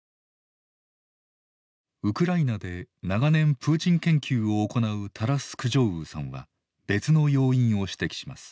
ウクライナで長年プーチン研究を行うタラス・クジョウーさんは別の要因を指摘します。